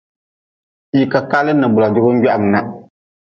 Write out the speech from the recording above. Hii ka kaalin bula jugun gwahmna.